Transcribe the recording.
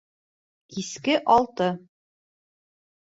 Киске алты